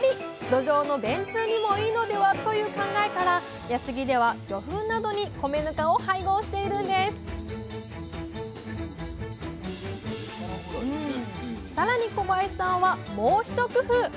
どじょうの便通にもいいのではという考えから安来では魚粉などに米ぬかを配合しているんですさらに小林さんはもう一工夫！